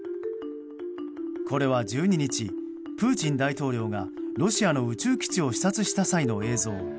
これは、１２日プーチン大統領がロシアの宇宙基地を視察した際の映像。